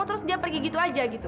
terus dia pergi gitu aja gitu